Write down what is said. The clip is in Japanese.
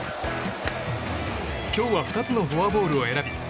今日は２つのフォアボールを選び